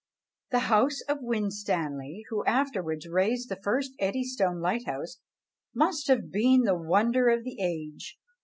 The house of Winstanley, who afterwards raised the first Eddystone lighthouse, must have been the wonder of the age.